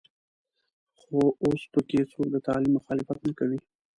خو اوس په کې څوک د تعلیم مخالفت نه کوي.